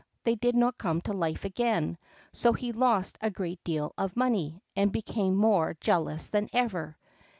they did not come to life again, so he lost a great deal of money, and became more jealous than ever.